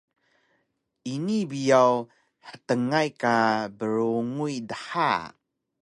Ini biyaw htngay ka brunguy dha